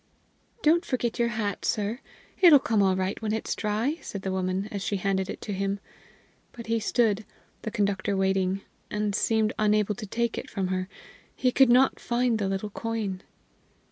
"Don't forget your hat, sir; it'll come all right when it's dry," said the woman, as she handed it to him. But he stood, the conductor waiting, and seemed unable to take it from her: he could not find the little coin!